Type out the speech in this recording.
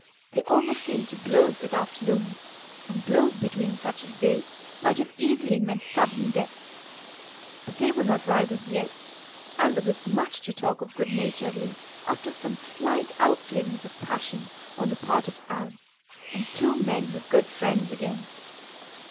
They almost came to blows that afternoon, and blows between such as they might have easily meant sudden death. But they were not rivals yet and there was much to talk of good naturedly, after some slight outflamings of passion on the part of Ab, and the two men were good friends again.